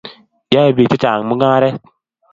yoe biik chechang' mung'aret